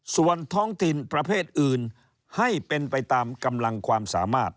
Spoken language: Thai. ส่วนท้องถิ่นประเภทอื่นให้เป็นไปตามกำลังความสามารถ